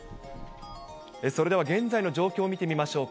それでは、現在の状況を見てみましょう。